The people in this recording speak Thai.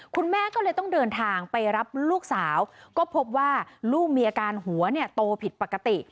คุณแม่ก็เลยต้องเดินทางไปรับลูกสาวก็พบว่าลูกมีอาการหัวเนี่ยโตผิดปกติ